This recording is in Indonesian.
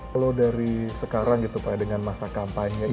kalau dari sekarang dengan masa kampanye ini